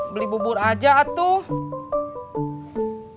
beli bubur aja atuh